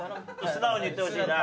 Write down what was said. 素直に言ってほしいな。